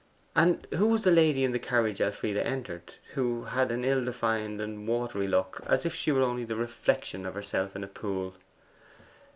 'And who was the lady in the carriage Elfride entered; who had an ill defined and watery look, as if she were only the reflection of herself in a pool?